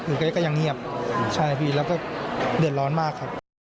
ก็ยังเงียบใช่ครับพี่แล้วก็เดือดร้อนมากครับ